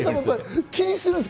気にするんですか？